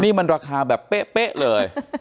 นี่มันราคาแบบเป๊ะเลย